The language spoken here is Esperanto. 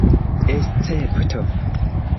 escepto